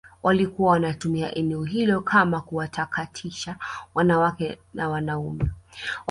walikuwa wanatumia eneo hilo kama kuwatakatisha wanawake na wanaume